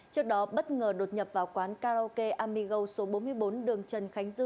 trước đó bất ngờ đột nhập vào quán karaoke amigo số bốn mươi bốn đường trần khánh dư